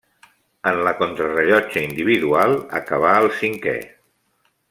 En la contrarellotge individual acabà el cinquè.